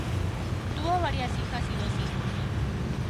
Tuvo varias hijas y dos hijos.